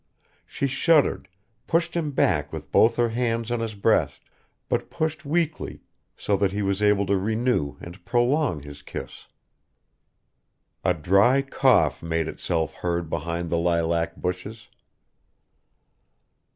She shuddered, pushed him back with both her hands on his breast, but pushed weakly, so that he was able to renew and prolong his kiss. A dry cough made itself heard behind the lilac bushes.